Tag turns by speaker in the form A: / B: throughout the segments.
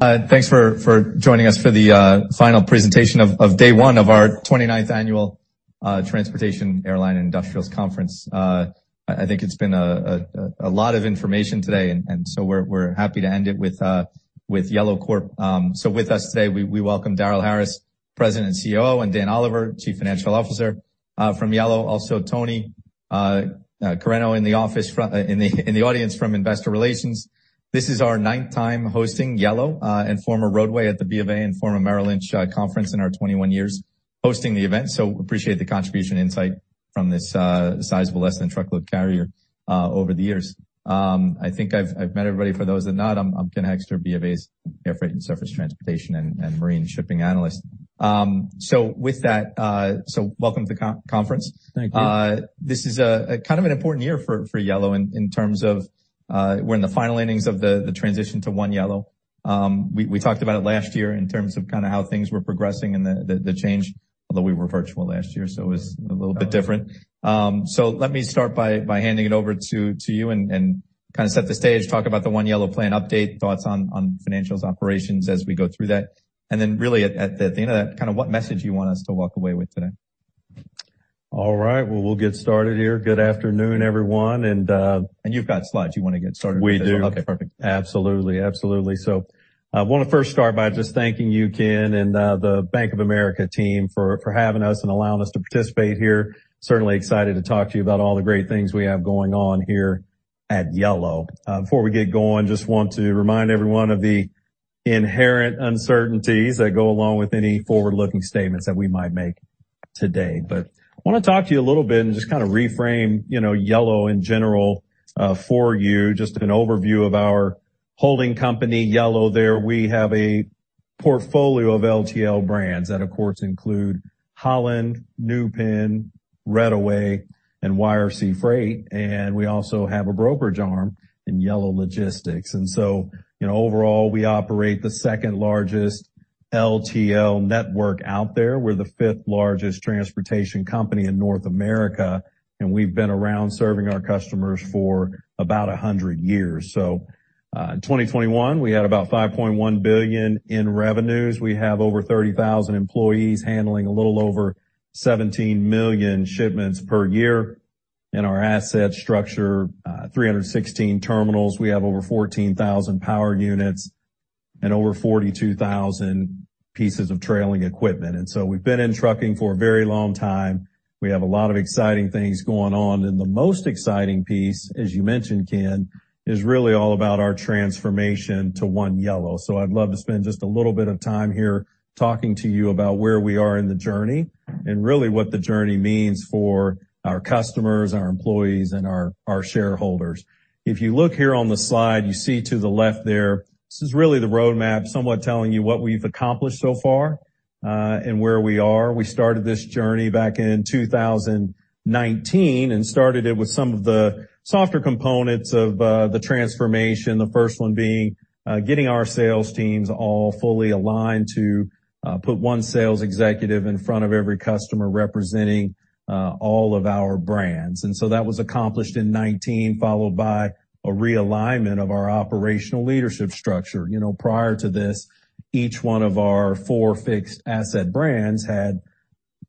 A: Thanks for joining us for the final presentation of day one of our 29th Annual Transportation Airline Industrials Conference. I think it's been a lot of information today, and so we're happy to end it with Yellow Corp. With us today, we welcome Darren Hawkins, President and CEO, and Daniel Olivier, Chief Financial Officer, from Yellow. Also, Tony Carreño in the audience from Investor Relations. This is our ninth time hosting Yellow and former Roadway at the BofA & former Merrill Lynch Conference in our 21 years hosting the event. Appreciate the contributions and insights from this sizable less-than-truckload carrier over the years. I think I've met everybody. For those that not, I'm Ken Hoexter, BofA's Air Freight and Surface Transportation and Marine Shipping Analyst. With that, welcome to conference.
B: Thank you.
A: This is kind of an important year for Yellow in terms of, we're in the final innings of the transition to One Yellow. We talked about it last year in terms of kinda how things were progressing and the change, although we were virtual last year, so it was a little bit different. Let me start by handing it over to you and kinda set the stage, talk about the One Yellow plan update, thoughts on financials operations as we go through that. Really at the end of that, kinda what message you want us to walk away with today.
B: All right, well, we'll get started here. Good afternoon, everyone.
A: You've got slides. You wanna get started with those?
B: We do.
A: Okay, perfect.
B: Absolutely. Wanna first start by just thanking you, Ken, and the Bank of America team for having us and allowing us to participate here. Certainly excited to talk to you about all the great things we have going on here at Yellow. Before we get going, just want to remind everyone of the inherent uncertainties that go along with any forward-looking statements that we might make today. I wanna talk to you a little bit and just kinda reframe, you know, Yellow in general, for you. Just an overview of our holding company, Yellow, there. We have a portfolio of LTL brands that of course include Holland, New Penn, Reddaway, and YRC Freight. We also have a brokerage arm in Yellow Logistics. You know, overall, we operate the second-largest LTL network out there. We're the fifth-largest transportation company in North America, and we've been around serving our customers for about 100 years. In 2021, we had about $5.1 billion in revenues. We have over 30,000 employees handling a little over 17 million shipments per year. In our asset structure, 316 terminals. We have over 14,000 power units and over 42,000 pieces of trailing equipment. We've been in trucking for a very long time. We have a lot of exciting things going on. The most exciting piece, as you mentioned, Ken, is really all about our transformation to One Yellow. I'd love to spend just a little bit of time here talking to you about where we are in the journey and really what the journey means for our customers, our employees, and our shareholders. If you look here on the slide, you see to the left there, this is really the roadmap somewhat telling you what we've accomplished so far, and where we are. We started this journey back in 2019, and started it with some of the softer components of the transformation. The first one being getting our sales teams all fully aligned to put one sales executive in front of every customer representing all of our brands. That was accomplished in 2019, followed by a realignment of our operational leadership structure. You know, prior to this, each one of our four fixed asset brands had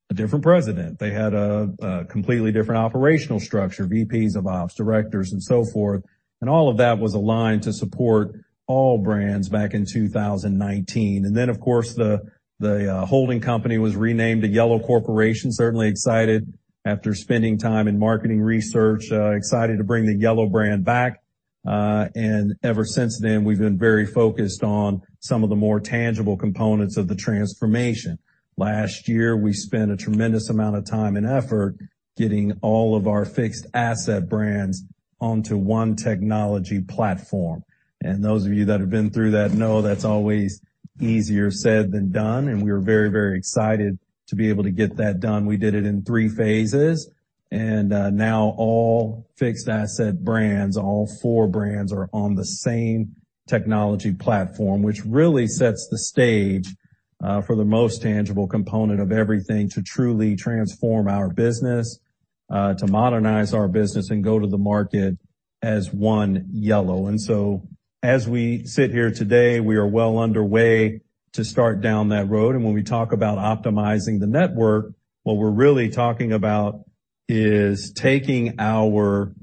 B: a different president. They had a completely different operational structure, VPs of ops, directors, and so forth. All of that was aligned to support all brands back in 2019. Of course, the holding company was renamed to Yellow Corporation. Certainly excited after spending time in marketing research, excited to bring the Yellow brand back. Ever since then, we've been very focused on some of the more tangible components of the transformation. Last year, we spent a tremendous amount of time and effort getting all of our fixed asset brands onto one technology platform. Those of you that have been through that know that's always easier said than done, and we are very, very excited to be able to get that done. We did it in three phases. Now all fixed asset brands, all four brands are on the same technology platform, which really sets the stage for the most tangible component of everything to truly transform our business, to modernize our business and go to the market as One Yellow. As we sit here today, we are well underway to start down that road. When we talk about optimizing the network, what we're really talking about is taking our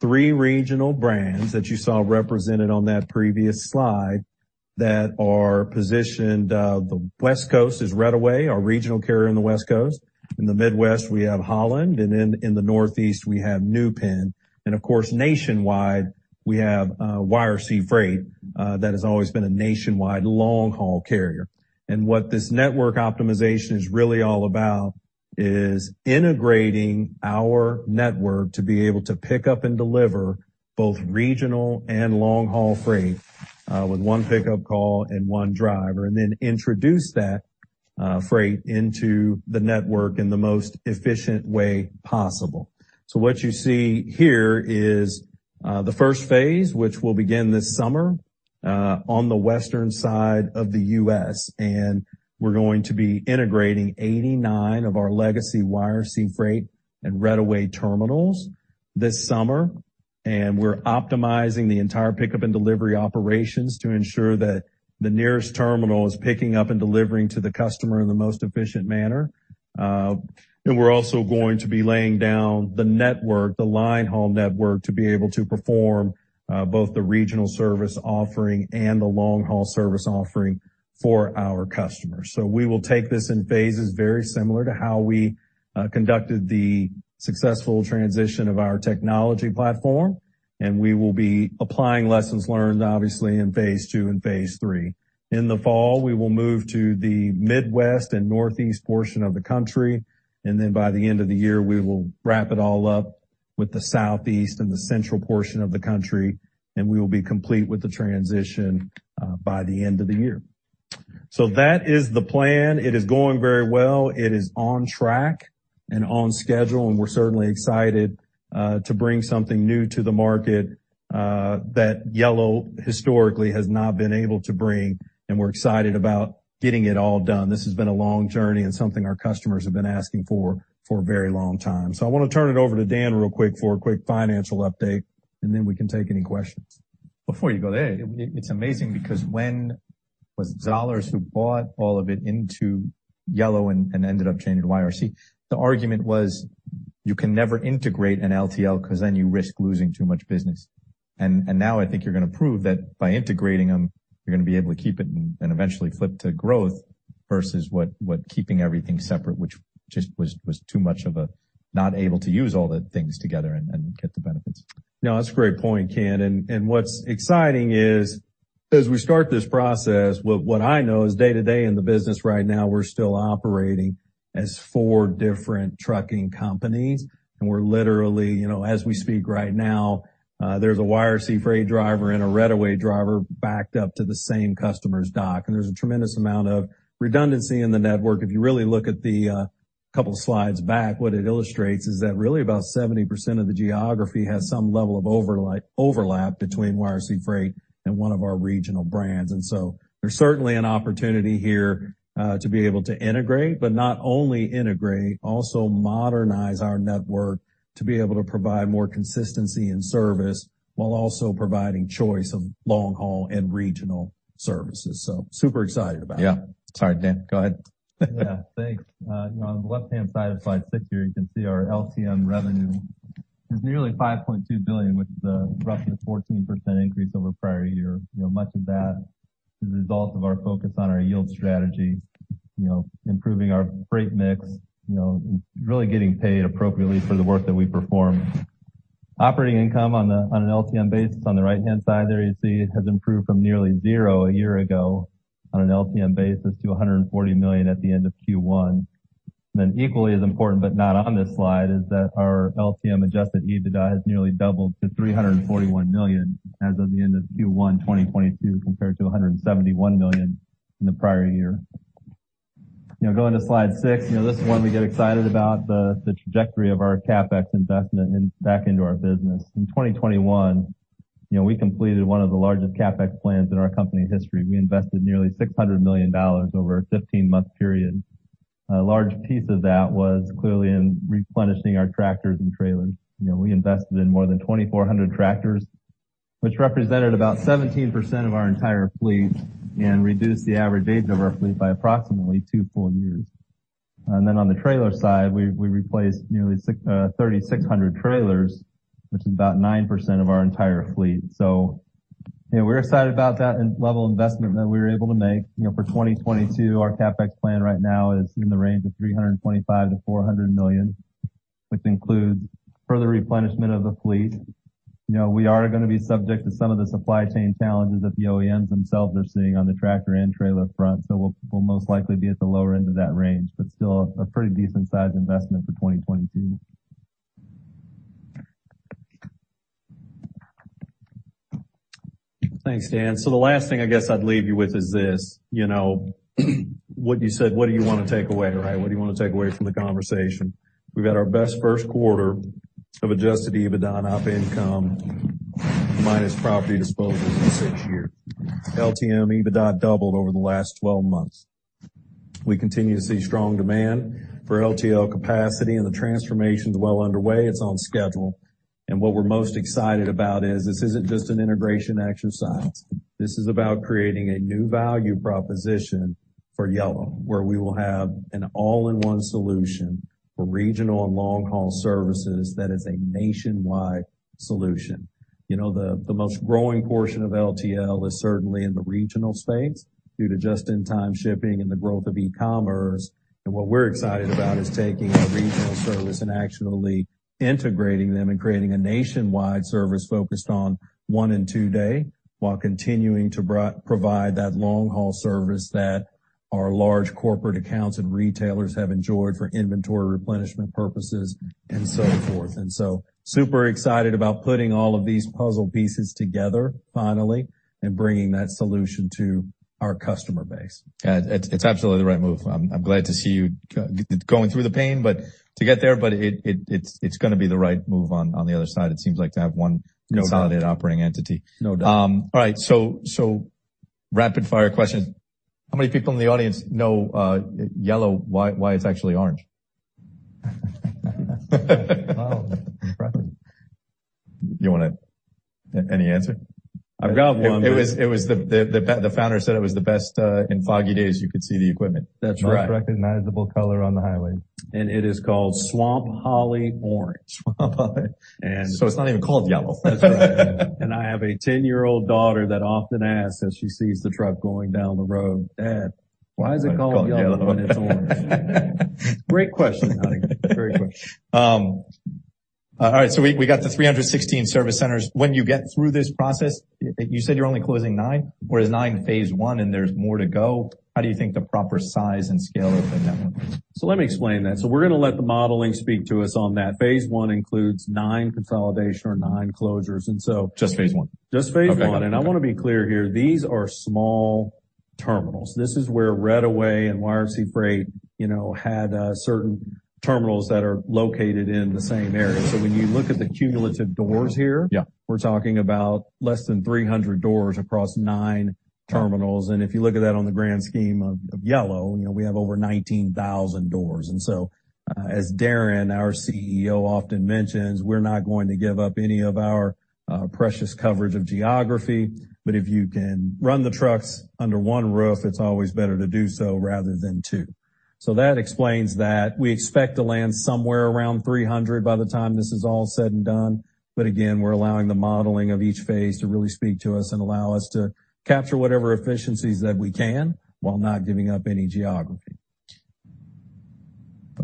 B: three regional brands that you saw represented on that previous slide that are positioned, the West Coast is Reddaway, our regional carrier in the West Coast. In the Midwest, we have Holland. In the Northeast, we have New Penn. Of course, nationwide, we have YRC Freight that has always been a nationwide long-haul carrier. What this network optimization is really all about is integrating our network to be able to pick up and deliver both regional and long-haul freight, with one pickup call and one driver, and then introduce that, freight into the network in the most efficient way possible. What you see here is, the first phase, which will begin this summer, on the western side of the U.S. We're going to be integrating 89 of our legacy YRC Freight and Reddaway terminals this summer. We're optimizing the entire pickup and delivery operations to ensure that the nearest terminal is picking up and delivering to the customer in the most efficient manner. We're also going to be laying down the network, the line haul network, to be able to perform, both the regional service offering and the long-haul service offering for our customers. We will take this in phases very similar to how we conducted the successful transition of our technology platform, and we will be applying lessons learned, obviously, in phase two and phase three. In the fall, we will move to the Midwest and Northeast portion of the country. By the end of the year, we will wrap it all up with the Southeast and the central portion of the country, and we will be complete with the transition by the end of the year. That is the plan. It is going very well. It is on track and on schedule, and we're certainly excited to bring something new to the market that Yellow historically has not been able to bring, and we're excited about getting it all done. This has been a long journey and something our customers have been asking for a very long time. I wanna turn it over to Daniel real quick for a quick financial update, and then we can take any questions.
A: Before you go there, it's amazing because when was it USF who bought all of it into Yellow and ended up changing to YRC? The argument was you can never integrate an LTL 'cause then you risk losing too much business. Now I think you're gonna prove that by integrating them, you're gonna be able to keep it and eventually flip to growth versus what keeping everything separate, which just was too much of a not able to use all the things together and get the benefits.
B: No, that's a great point, Ken. What's exciting is as we start this process, what I know is day to day in the business right now, we're still operating as four different trucking companies. We're literally, you know, as we speak right now, there's a YRC Freight driver and a Reddaway driver backed up to the same customer's dock. There's a tremendous amount of redundancy in the network. If you really look at the couple slides back, what it illustrates is that really about 70% of the geography has some level of overlap between YRC Freight and one of our regional brands. There's certainly an opportunity here to be able to integrate, but not only integrate, also modernize our network to be able to provide more consistency in service while also providing choice of long-haul and regional services. Super excited about it.
A: Yeah. Sorry, Daniel. Go ahead.
C: Yeah. Thanks. On the left-hand side of slide six here, you can see our LTM revenue is nearly $5.2 billion, which is a roughly 14% increase over prior year. You know, much of that is a result of our focus on our yield strategies, you know, improving our freight mix, you know, really getting paid appropriately for the work that we perform. Operating income on an LTM basis, on the right-hand side there, you see has improved from nearly zero a year ago on an LTM basis to $140 million at the end of Q1. Equally as important, but not on this slide, is that our LTM adjusted EBITDA has nearly doubled to $341 million as of the end of Q1 2022, compared to $171 million in the prior year. Now going to slide six, you know, this is one we get excited about the trajectory of our CapEx investment back into our business. In 2021, you know, we completed one of the largest CapEx plans in our company history. We invested nearly $600 million over a 15-month period. A large piece of that was clearly in replenishing our tractors and trailers. You know, we invested in more than 2,400 tractors, which represented about 17% of our entire fleet and reduced the average age of our fleet by approximately two full years. Then on the trailer side, we replaced nearly 3,600 trailers, which is about 9% of our entire fleet. You know, we're excited about that in-level investment that we were able to make. You know, for 2022, our CapEx plan right now is in the range of $325 million-$400 million, which includes further replenishment of the fleet. You know, we are gonna be subject to some of the supply chain challenges that the OEMs themselves are seeing on the tractor and trailer front. We'll most likely be at the lower end of that range, but still a pretty decent sized investment for 2022.
B: Thanks, Daniel. The last thing I guess I'd leave you with is this, you know, what you said, what do you wanna take away, right? What do you wanna take away from the conversation? We've had our best first quarter of adjusted EBITDA and operating income minus property disposals in six years. LTM EBITDA doubled over the last 12 months. We continue to see strong demand for LTL capacity, and the transformation's well underway. It's on schedule. What we're most excited about is this isn't just an integration exercise. This is about creating a new value proposition for Yellow, where we will have an all-in-one solution for regional and long-haul services that is a nationwide solution. You know, the most growing portion of LTL is certainly in the regional space due to just-in-time shipping and the growth of e-commerce. What we're excited about is taking our regional service and actually integrating them and creating a nationwide service focused on one- and two-day, while continuing to provide that long-haul service that our large corporate accounts and retailers have enjoyed for inventory replenishment purposes and so forth. Super excited about putting all of these puzzle pieces together finally and bringing that solution to our customer base.
A: Yeah. It's absolutely the right move. I'm glad to see you going through the pain, but it's gonna be the right move on the other side. It seems like to have one.
B: No doubt.
A: Consolidated operating entity.
B: No doubt.
A: All right, rapid fire question. How many people in the audience know Yellow, why it's actually orange?
B: Wow.
A: Any answer?
B: I've got one.
A: It was the founder said it was the best. In foggy days, you could see the equipment.
B: That's right.
A: Most recognizable color on the highway.
B: It is called Swamp Holly Orange.
A: Swamp Holly.
B: And-
A: It's not even called Yellow.
B: That's right. I have a 10-year-old daughter that often asks as she sees the truck going down the road, "Dad, why is it called Yellow when it's orange?
A: Great question, honey. Great question. All right, we got the 316 service centers. When you get through this process, you said you're only closing nine? Or is nine phase 1, and there's more to go? How do you think the proper size and scale of the network?
B: Let me explain that. We're gonna let the modeling speak to us on that. phase 1 includes nine consolidation or nine closures.
A: Just phase 1?
B: Just phase 1.
C: Okay. Got it. I wanna be clear here, these are small terminals. This is where Reddaway and YRC Freight, you know, had certain terminals that are located in the same area. When you look at the cumulative doors here-
A: Yeah.
C: We're talking about less than 300 doors across nine terminals. If you look at that on the grand scheme of Yellow, you know, we have over 19,000 doors. As Darren, our CEO, often mentions, we're not going to give up any of our precious coverage of geography. If you can run the trucks under one roof, it's always better to do so rather than two. That explains that. We expect to land somewhere around 300 by the time this is all said and done. Again, we're allowing the modeling of each phase to really speak to us and allow us to capture whatever efficiencies that we can while not giving up any geography.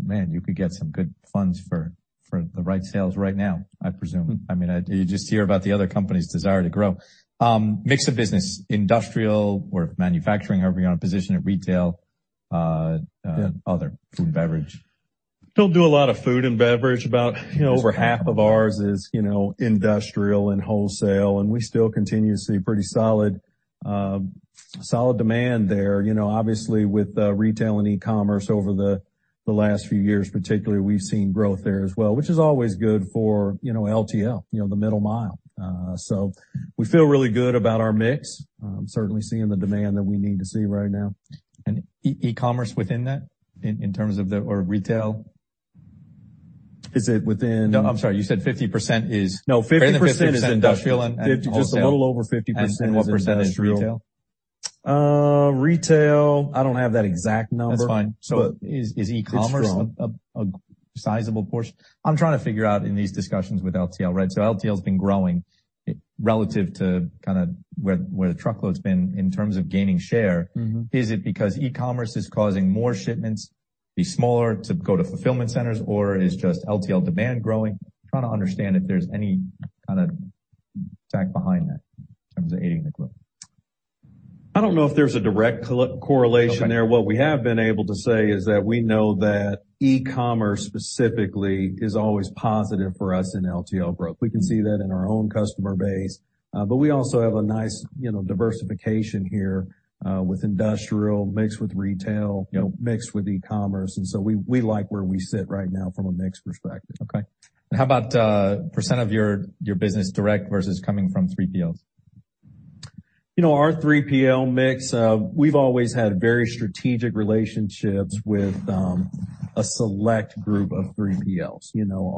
A: Man, you could get some good funds for the right sales right now, I presume. I mean, you just hear about the other company's desire to grow. Mix of business, industrial or manufacturing, are we in a position of retail?
B: Yeah.
A: other, food and beverage.
B: Still do a lot of food and beverage. About, you know, over half of ours is, you know, industrial and wholesale, and we still continue to see pretty solid demand there. You know, obviously with retail and e-commerce over the last few years, particularly, we've seen growth there as well, which is always good for, you know, LTL, you know, the middle mile. So we feel really good about our mix. Certainly seeing the demand that we need to see right now.
A: e-commerce within that in terms of the or retail?
B: Is it within-
A: No, I'm sorry. You said 50% is.
B: No, 50% is industrial and wholesale.
C: Just a little over 50% is industrial.
B: What percentage is retail? Retail, I don't have that exact number.
A: That's fine.
B: But-
A: Is e-commerce.
B: It's growing.
A: A sizable portion? I'm trying to figure out in these discussions with LTL, right? LTL has been growing relative to kinda where the truckload's been in terms of gaining share.
B: Mm-hmm.
A: Is it because e-commerce is causing more shipments to be smaller to go to fulfillment centers, or is just LTL demand growing? Trying to understand if there's any kind of fact behind that in terms of aiding the growth.
B: I don't know if there's a direct correlation there.
A: Okay.
B: What we have been able to say is that we know that e-commerce specifically is always positive for us in LTL growth. We can see that in our own customer base. We also have a nice, you know, diversification here, with industrial mixed with retail.
A: Yeah.
B: You know, mixed with e-commerce. We like where we sit right now from a mix perspective.
A: How about percent of your business direct versus coming from 3PLs?
B: You know, our 3PL mix, we've always had very strategic relationships with a select group of 3PLs. You know,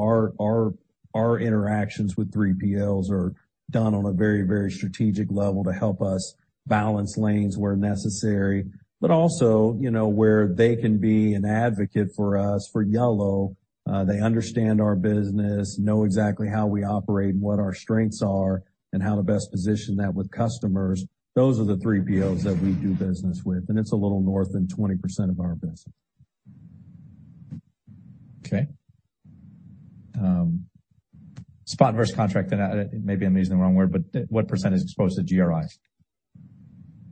B: our interactions with 3PLs are done on a very, very strategic level to help us balance lanes where necessary. Also, you know, where they can be an advocate for us, for Yellow, they understand our business, know exactly how we operate and what our strengths are, and how to best position that with customers. Those are the 3PLs that we do business with, and it's a little more than 20% of our business.
A: Okay. Spot versus contract, and maybe I'm using the wrong word, but what percentage is exposed to GRIs?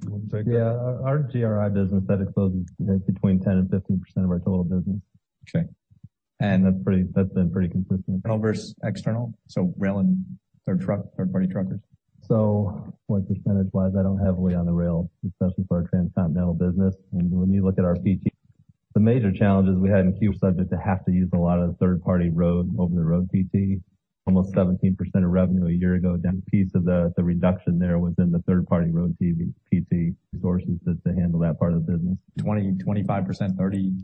B: You want me to take it?
C: Yeah. Our GRI business, that exposes, you know, between 10% and 15% of our total business.
A: Okay. That's been pretty consistent. Internal versus external, so rail and third-party truck, third-party truckers.
C: Like percentage-wise, I don't rely heavily on the rail, especially for our transcontinental business. When you look at our PT, the major challenges we had in Q1 we had to use a lot of the third-party road, open-road PT, almost 17% of revenue a year ago, down a piece of the reduction there within the third-party road PT resources that handle that part of the business.
A: 20%, 25%, 30%?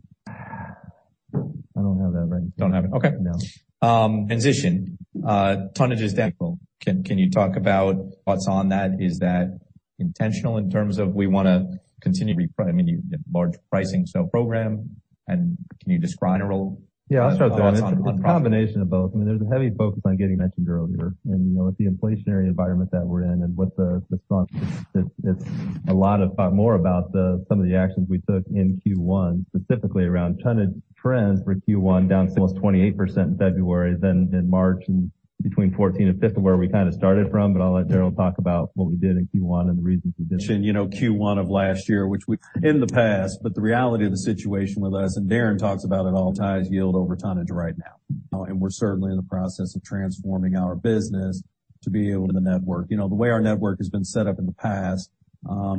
C: I don't have that right now.
A: Don't have it. Okay.
C: No.
A: Transition. Tonnage is down. Can you talk about what's on that? Is that intentional in terms of we wanna continue to, I mean, you have large pricing scale program, and can you describe the role?
C: Yeah, I'll start that. It's a combination of both. I mean, there's a heavy focus on getting mentioned earlier. You know, with the inflationary environment that we're in and what the response is, it's a lot more about some of the actions we took in Q1, specifically around tonnage trends for Q1 down almost 28% in February than in March and between 14 and 15 where we kinda started from. I'll let Darren talk about what we did in Q1 and the reasons we did. You know, Q1 of last year in the past, but the reality of the situation with us, and Darren talks about at all times yield over tonnage right now. We're certainly in the process of transforming our business to be able to network. You know, the way our network has been set up in the past,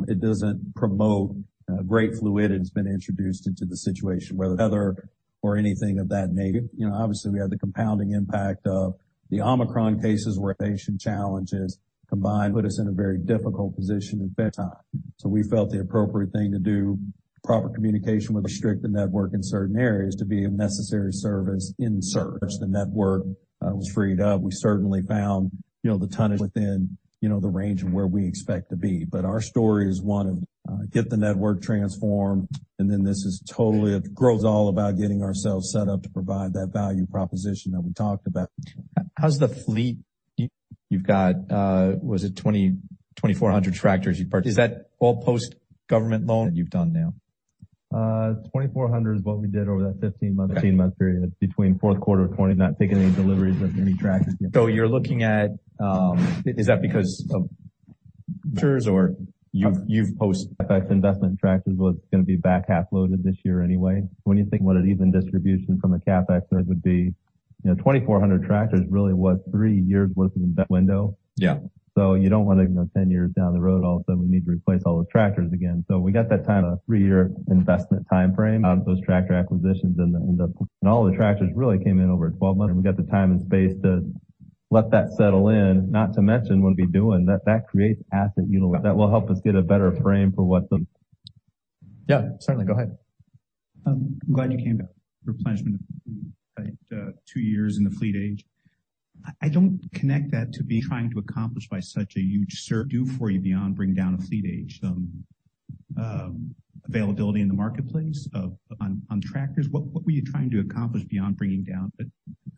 C: it doesn't promote great fluidity, and it's been introduced into the situation. Whether other Anything of that negative. You know, obviously, we had the compounding impact of the Omicron cases where labor challenges combined put us in a very difficult position at peak time. We felt the appropriate thing to do, proper communication and restricted network in certain areas to be a necessary step, in short. The network was freed up. We certainly found, you know, the tonnage within, you know, the range of where we expect to be. Our story is one of get the network transformed, and then this is totally, it's all about getting ourselves set up to provide that value proposition that we talked about.
A: How's the fleet you've got? Was it 2,400 tractors you purchased? Is that all post-government loan that you've done now?
C: 2,400 is what we did over that 15-month period. Between fourth quarter of 2020, not taking any deliveries with any tractors yet.
A: You're looking at. Is that because of or you've post
C: CapEx investment in tractors was gonna be back half loaded this year anyway. When you think what an even distribution from a CapEx load would be, you know, 2,400 tractors really was three years' worth of window.
A: Yeah.
C: You don't wanna, you know, 10 years down the road, all of a sudden, we need to replace all those tractors again. We got that time, a three-year investment timeframe out of those tractor acquisitions and the. All the tractors really came in over 12 months, and we got the time and space to let that settle in. Not to mention what we'll be doing. That creates asset utilization. That will help us get a better frame for what the.
A: Yeah, certainly. Go ahead.
D: I'm glad you commented on replenishment of two years in the fleet age. I don't see what you're trying to accomplish by such a huge CapEx for you beyond bringing down the fleet age. Availability in the marketplace of tractors. What were you trying to accomplish beyond bringing down the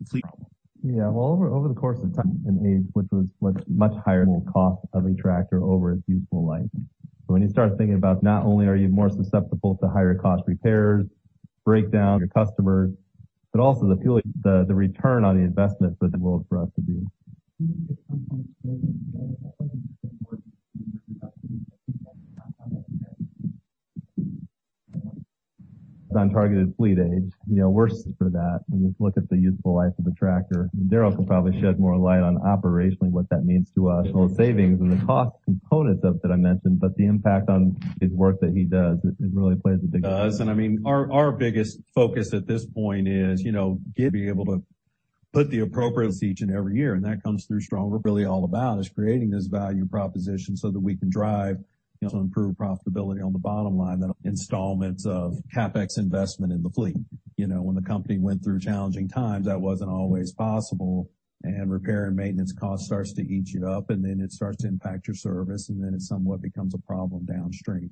D: fleet age?
C: Yeah. Well, over the course of time and age, which was much higher total cost of a tractor over its useful life. When you start thinking about not only are you more susceptible to higher cost repairs, breakdowns to your customers, but also the fuel, the return on the investment. For us to do on targeted fleet age, you know, works for that. When you look at the useful life of a tractor. Darren can probably shed more light on operationally what that means to us. All the savings and the cost components of that I mentioned, but the impact on his work that he does, it really plays a big role.
B: It does. I mean, our biggest focus at this point is, you know, to be able to put the appropriate each and every year, and that comes through stronger really all about creating this value proposition so that we can drive, you know, to improve profitability on the bottom line through installments of CapEx investment in the fleet. You know, when the company went through challenging times, that wasn't always possible. Repair and maintenance cost starts to eat you up, and then it starts to impact your service, and then it somewhat becomes a problem downstream.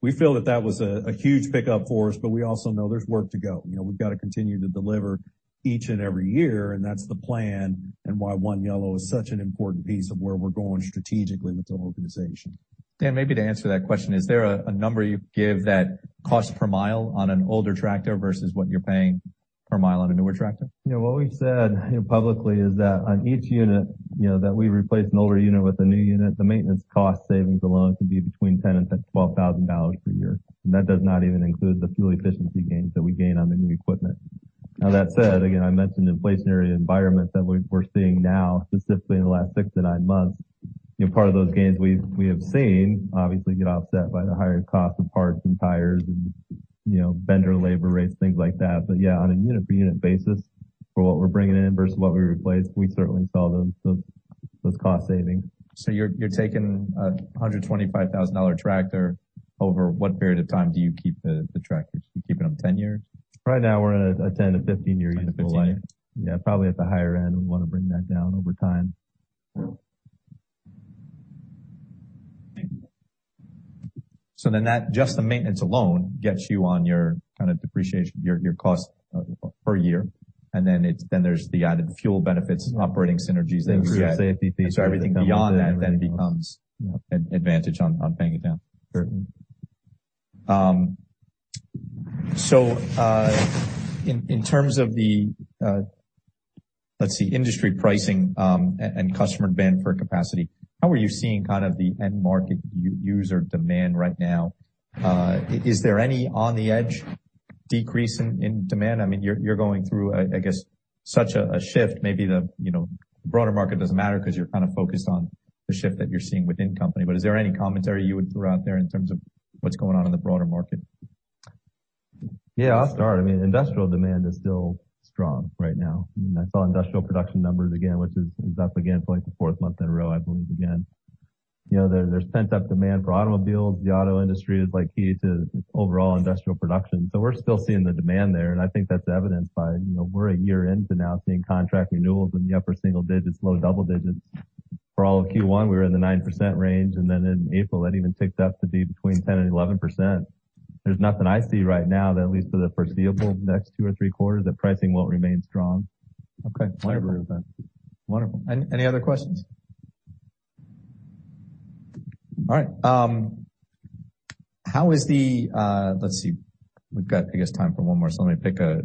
B: We feel that was a huge pickup for us, but we also know there's work to go. You know, we've got to continue to deliver each and every year, and that's the plan and why One Yellow is such an important piece of where we're going strategically with the organization.
A: Dan, maybe to answer that question, is there a number you give that cost per mile on an older tractor versus what you're paying per mile on a newer tractor?
C: You know, what we've said, you know, publicly is that on each unit, you know, that we replace an older unit with a new unit. The maintenance cost savings alone can be between $10,000 and $12,000 per year. That does not even include the fuel efficiency gains that we gain on the new equipment. Now, that said, again, I mentioned inflationary environment that we're seeing now, specifically in the last six to nine months. You know, part of those gains we have seen obviously get offset by the higher cost of parts and tires and, you know, vendor labor rates, things like that. Yeah, on a unit per unit basis for what we're bringing in versus what we replaced, we certainly saw those cost savings.
A: You're taking a $125,000 tractor over what period of time do you keep the tractors? Do you keep them 10 years?
C: Right now, we're in a 10 year-15 year unit of life.
A: 10 year to 15 year.
C: Yeah, probably at the higher end. We wanna bring that down over time.
A: That just the maintenance alone gets you on your kinda depreciation, your cost per year. There's the added fuel benefits, operating synergies that you said. Everything beyond that then becomes, you know, an advantage on paying it down.
C: Certainly.
A: In terms of the, let's see, industry pricing, and customer demand for capacity, how are you seeing kind of the end market user demand right now? Is there any on the edge decrease in demand? I mean, you're going through, I guess such a shift, maybe the, you know, broader market doesn't matter 'cause you're kinda focused on the shift that you're seeing within company. Is there any commentary you would throw out there in terms of what's going on in the broader market?
C: Yeah, I'll start. I mean, industrial demand is still strong right now. I mean, I saw industrial production numbers again, which is up again for like the fourth month in a row, I believe again. You know, there's pent-up demand for automobiles. The auto industry is like key to overall industrial production. We're still seeing the demand there, and I think that's evidenced by, you know, we're a year into now seeing contract renewals in the upper single digits, low double digits. For all of Q1, we were in the 9% range, and then in April, that even ticked up to be between 10% and 11%. There's nothing I see right now that at least for the foreseeable next two or three quarters, that pricing won't remain strong.
A: Okay. Wonderful. Any other questions? All right. Let's see. We've got, I guess, time for one more, so let me pick a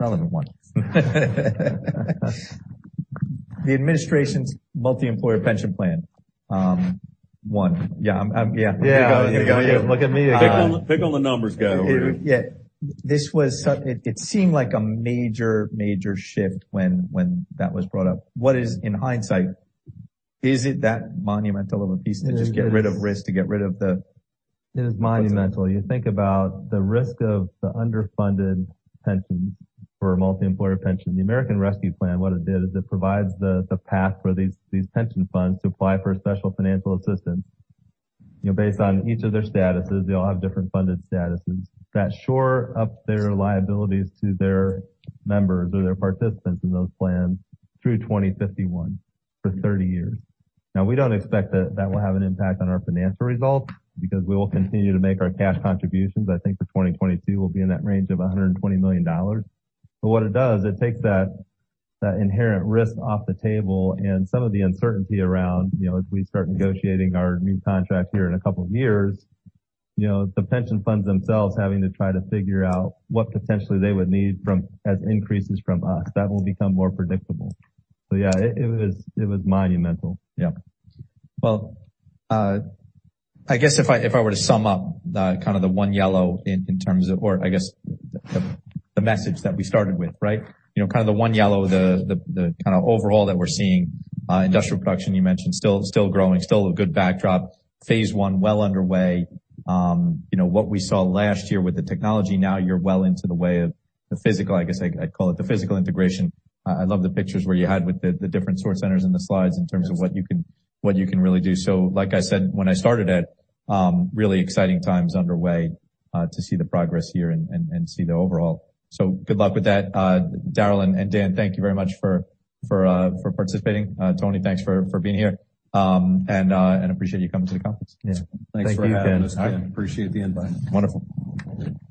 A: relevant one. The administration's multiemployer pension plan one. Yeah. I'm yeah.
C: Yeah. Look at me again.
E: Pick on the numbers guy over here.
A: Yeah. It seemed like a major shift when that was brought up. In hindsight, is it that monumental of a piece to just get rid of risk, to get rid of the?
C: It is monumental. You think about the risk of the underfunded pensions for a multiemployer pension. The American Rescue Plan, what it did is it provides the path for these pension funds to apply for special financial assistance, you know, based on each of their statuses. They all have different funded statuses that shore up their liabilities to their members or their participants in those plans through 2051 for 30 years. Now, we don't expect that will have an impact on our financial results because we will continue to make our cash contributions. I think for 2022, we'll be in that range of $120 million. What it does, it takes that inherent risk off the table and some of the uncertainty around, you know, as we start negotiating our new contract here in a couple of years. You know, the pension funds themselves having to try to figure out what potentially they would need from, as increases from us. That will become more predictable. Yeah, it was monumental. Yeah.
A: Well, I guess if I were to sum up the kinda the One Yellow in terms of. Or I guess the message that we started with, right? You know, kinda the One Yellow, the kinda overall that we're seeing, industrial production, you mentioned still growing, still a good backdrop. Phase 1, well underway. You know, what we saw last year with the technology, now you're well into the way of the physical, I guess I'd call it the physical integration. I love the pictures where you had with the different sort centers in the slides in terms of what you can really do. So like I said when I started it, really exciting times underway, to see the progress here and see the overall. So good luck with that. Darren and Daniel, thank you very much for participating. Tony Carreño, thanks for being here. Appreciate you coming to the conference.
C: Yeah. Thanks for having us.
E: Thank you, Daniel. Appreciate the invite.
A: Wonderful.